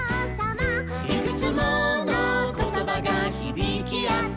「いくつものことばがひびきあって」